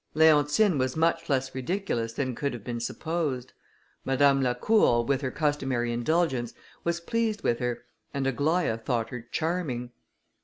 Leontine was much less ridiculous than could have been supposed. Madame Lacour, with her customary indulgence, was pleased with her, and Aglaïa thought her charming.